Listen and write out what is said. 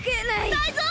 タイゾウ！